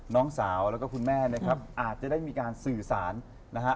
น้องสาวแล้วก็คุณแม่นะครับอาจจะได้มีการสื่อสารนะฮะ